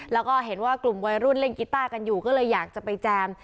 แล้วก็เห็นว่ากลุ่มวัยรุ่นเล่นกีต้ากันอยู่ก็เลยอยากจะไปแจม